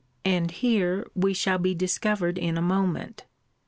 And here we shall be discovered in a moment.